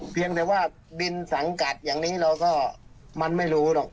เพียงแต่ว่าดินสังกัดอย่างนี้เราก็มันไม่รู้หรอก